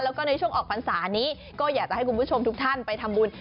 แล้วก็ในช่วงออกพรรษานี้ก็อยากจะให้คุณผู้ชมทุกท่านไปทำบุญ